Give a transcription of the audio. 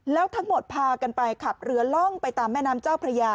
แล้วทั้งหมดพากันไปขับเรือล่องไปตามแม่น้ำเจ้าพระยา